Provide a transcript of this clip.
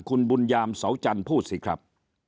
คุณบุญยามเสาจันทร์พูดสิครับ